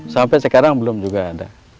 sampai sekarang belum juga ada